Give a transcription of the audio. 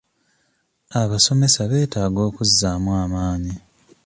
Abasomesa beetaaga okuzzaamu amaanyi.